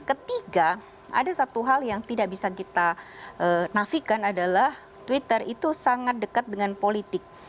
ketiga ada satu hal yang tidak bisa kita nafikan adalah twitter itu sangat dekat dengan politik